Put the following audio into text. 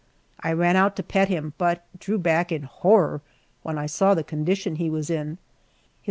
I ran out to pet him, but drew back in horror when I saw the condition he was in.